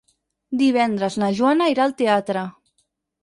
Divendres na Joana irà al teatre.